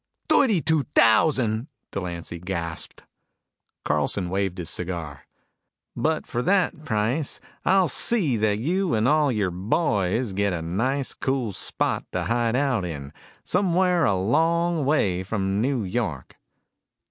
"Thirty two thousand " Delancy gasped. Carlson waved his cigar. "But for that price I'll see that you and all your boys get a nice cool spot to hideout in, somewhere a long way from New York."